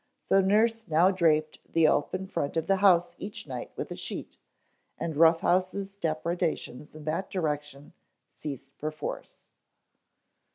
So nurse now draped the open front of the house each night with a sheet, and Rough House's depredations in that direction ceased perforce.